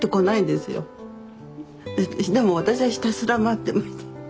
でも私はひたすら待って待って。